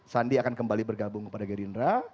sandi akan kembali bergabung kepada gerindra